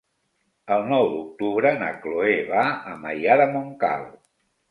El nou d'octubre na Cloè va a Maià de Montcal.